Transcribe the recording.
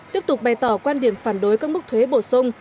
tiếp tục bày tỏ quan điểm phản đối các mức thuế bổ sung